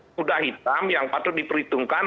kuda hitam yang patut diperhitungkan